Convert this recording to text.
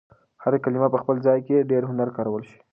هر کلمه په خپل ځای کې په ډېر هنر کارول شوې.